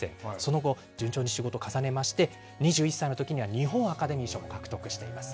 その後、順調に仕事を重ねまして、２１歳のときには日本アカデミー賞を獲得しています。